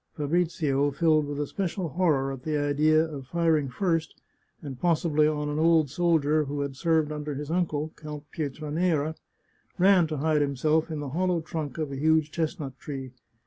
Fabrizio — filled with a special horror at the idea of firing first, and possibly on an old soldier who had served under his uncle, Count Pietranera — ran to hide himself in the hol low trunk of a huge chestnut tree.